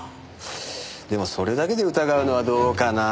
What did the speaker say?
でもそれだけで疑うのはどうかなぁ？